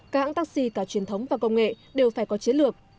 các hãng taxi cả truyền thống và công nghệ đều phải có chiến lược